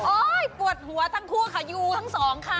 ปวดหัวทั้งคู่ค่ะยูทั้งสองค่ะ